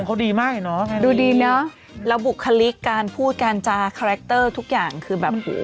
แต่นี้๑๗นะคะดูดีเนอะแล้วบุคลิกการพูดการจาคาแรคเตอร์ทุกอย่างคือแบบโห